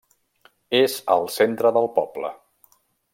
És al centre del poble.